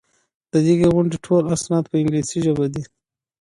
د دغي غونډې ټول اسناد په انګلیسي ژبه دي.